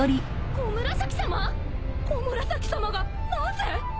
小紫さまがなぜ！？